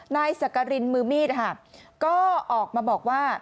นายสักกรินมือมีดก็ออกมาบอกว่า